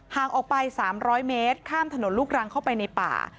ห่างออกไป๓๐๐เมตรข้ามถนนลูกรังเข้าไปในป่า